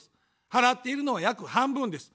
払っているのは約半分です。